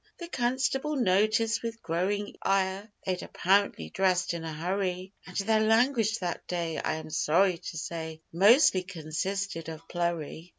The constable noticed, with growing ire, They'd apparently dressed in a hurry; And their language that day, I am sorry to say, Mostly consisted of 'plurry.